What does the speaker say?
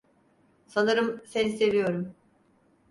Sanırım seni seviyorum.